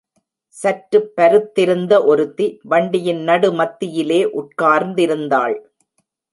சற்றுப் பருத்திருந்த ஒருத்தி, வண்டியின் நடு மத்தியிலே உட்கார்ந்திருந்தாள்.